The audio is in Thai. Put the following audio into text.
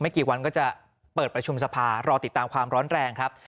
กี่วันก็จะเปิดประชุมสภารอติดตามความร้อนแรงครับ